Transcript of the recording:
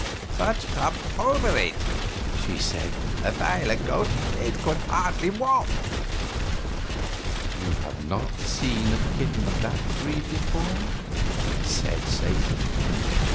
"What's come over it?" she said. "Awhile ago it could hardly walk." "You have not seen a kitten of that breed before," said Satan.